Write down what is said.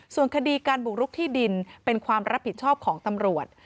ส่วนคดีการบุกรุกที่ดินเป็นความรับผิดชอบของตำรวจ